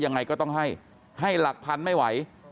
ยังไงก็ต้องให้ให้หลักพันไม่ไหว